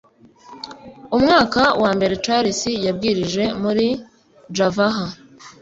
umwaka wa mbere charles yabwirije muri javaha